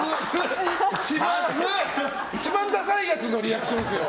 一番はずいやつのリアクションですよ。